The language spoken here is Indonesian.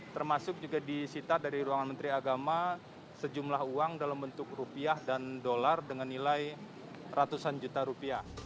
termasuk juga disita dari ruangan menteri agama sejumlah uang dalam bentuk rupiah dan dolar dengan nilai ratusan juta rupiah